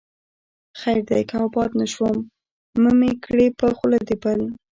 خير دى که آباد نه شوم، مه مې کړې په خوله د بل